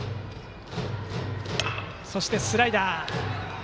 そしてスライダー。